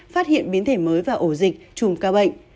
phát hiện biến thể mới và ổ dịch chùm ca bệnh